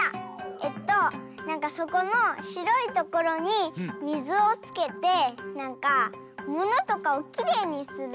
えっとなんかそこのしろいところにみずをつけてなんかものとかをきれいにするどうぐ？